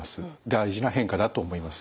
大事な変化だと思います。